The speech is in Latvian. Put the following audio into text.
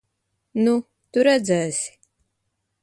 Nu, tu redzēsi!